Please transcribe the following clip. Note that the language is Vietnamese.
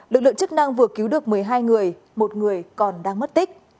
lực lượng chức năng vừa cứu được một mươi hai người một người còn đang mất tích